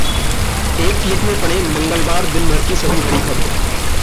एक क्लिक में पढ़ें मंगलवार दिन भर की सभी बड़ी खबरें